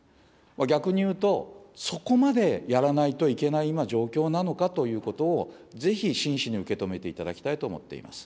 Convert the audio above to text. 逆に言うと、そこまでやらないといけない今、状況なのかということを、ぜひ真摯に受け止めていただきたいと思っています。